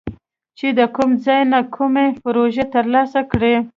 چې د کوم ځای نه کومه پروژه تر لاسه کړي